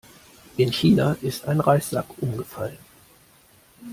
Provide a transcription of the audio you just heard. In China ist ein Reissack umgefallen.